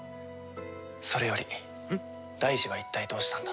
それより大二は一体どうしたんだ？